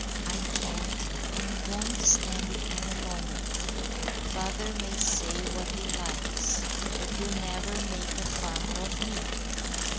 I can't and won't stand it any longer. Father may say what he likes, but he'll never make a farmer of me."